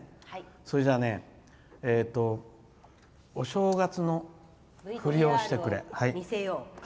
それじゃあお正月の振りをしてくれと。